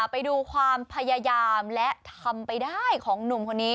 ไปดูความพยายามและทำไปได้ของหนุ่มคนนี้